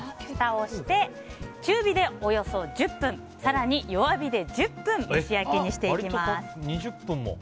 ふたをして中火でおよそ１０分更に弱火で１０分蒸し焼きにしていきます。